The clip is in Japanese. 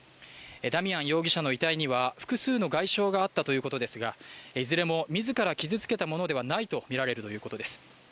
ダミアン容疑者の遺体には複数の外傷があったということですがいずれも自ら傷つけたものではないとみられるということです。